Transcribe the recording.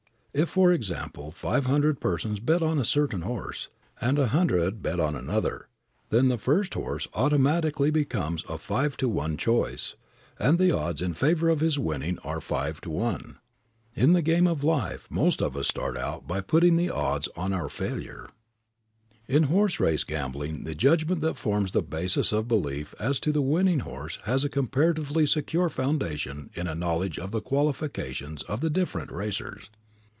If, for example, five hundred persons bet on a certain horse, and a hundred bet on another, then the first horse automatically becomes a five to one choice, and the odds in favor of his winning are five to one. In the game of life most of us start out by putting the odds on our failure. In horse race gambling the judgment that forms the basis of belief as to the winning horse has a comparatively secure foundation in a knowledge of the qualifications of the different racers.